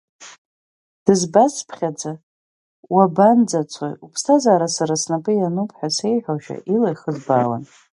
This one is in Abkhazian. Дызбацыԥхьаӡа, уабанӡазцои, уԥсҭазаара сара снапы иануп ҳәа сеиҳәарашәа ила ихызбаауан.